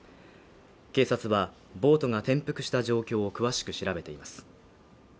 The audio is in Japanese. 警察は、ボートが転覆した状況を詳しく調べています。